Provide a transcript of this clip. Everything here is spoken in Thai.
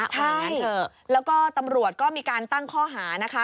ใช่แล้วก็ตำรวจก็มีการตั้งข้อหานะคะ